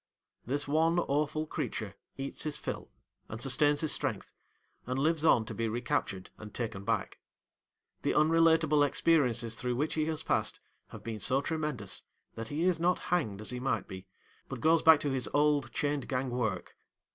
This one awful creature eats his fill, and sustains his strength, and lives on to be recaptured and taken back. The unrelateable experiences through which he has passed have been so tremendous, that he is not hanged as he might be, but goes back to his old chained gang work.